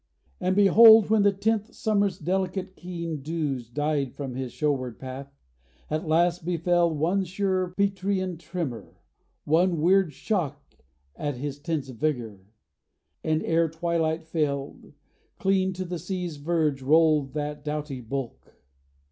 And behold, When the tenth summer's delicate keen dews Died from his shoreward path, at last befell One sure petrean tremor, one weird shock At his tense vigor; and ere twilight failed, Clean to the sea's verge rolled that doughty bulk!